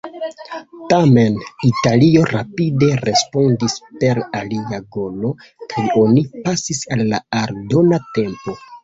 Tamen, Italio rapide respondis per alia golo, kaj oni pasis al la aldona tempo.